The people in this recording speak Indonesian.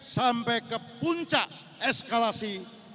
sampai ke puncak eskalasi